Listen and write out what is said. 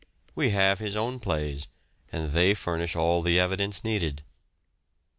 We have his own plays, and they furnish all the evidence needed.